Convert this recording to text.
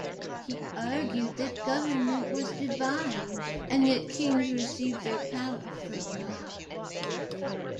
He argued that government was divine and that kings received their power from God.